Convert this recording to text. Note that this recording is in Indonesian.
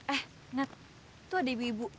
eh nat itu ada ibu ibu